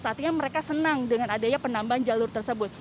saatnya mereka senang dengan adanya penambahan jalur tersebut